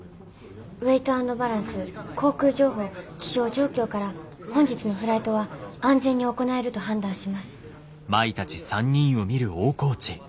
ウエイト＆バランス航空情報気象状況から本日のフライトは安全に行えると判断します。